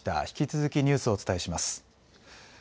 引き続きニュースをお伝えします。